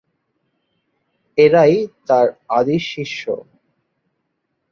এঁরাই তাঁর আদি শিষ্য।